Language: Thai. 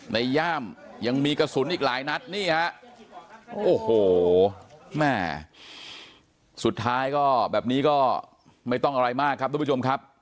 ย่ามยังมีกระสุนอีกหลายนัดนี่ฮะโอ้โหแม่สุดท้ายก็แบบนี้ก็ไม่ต้องอะไรมากครับทุกผู้ชมครับ